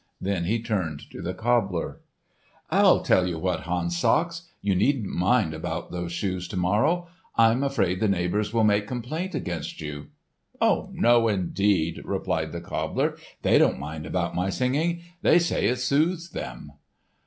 Then he turned to the cobbler. "I'll tell you what, Hans Sachs, you needn't mind about those shoes, to morrow. I'm afraid the neighbours will make complaint against you." "No, indeed," replied the cobbler, "they don't mind about my singing. They say it soothes them."